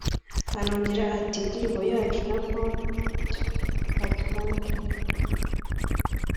Arongera ati “ Indirimbo yacu na Pato[Patoranking]